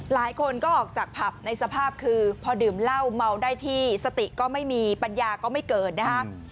หลายคนก็ออกจากผับในสภาพคือพอดื่มเหล้าเมาได้ที่สติก็ไม่มีปัญญาก็ไม่เกิดนะฮะ